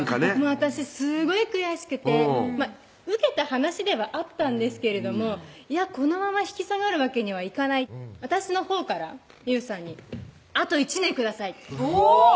私すごい悔しくて受けた話ではあったんですけれどもいやこのまま引き下がるわけにはいかない私のほうからリゥさんに「あと１年ください」おぉ！